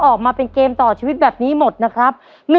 ออกมาเป็นเกมต่อชีวิตแบบนี้หมดนะครับ